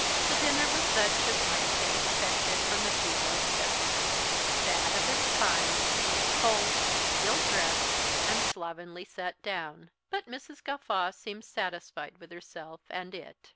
The dinner was such as might have been expected from the previous specimens bad of its kind, cold, ill dressed, and slovenly set down; but Mrs. Gawtfaw seemed satisfied with herself and it.